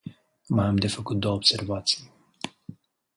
Mai am de făcut două observații.